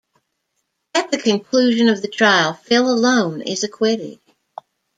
At the conclusion of the trial, Phil alone is acquitted.